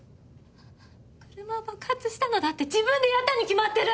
車を爆発したのだって自分でやったに決まってる！